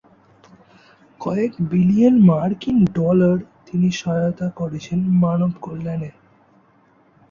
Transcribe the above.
কয়েক বিলিয়ন মার্কিন ডলার তিনি সহায়তা করেছেন মানব কল্যাণে।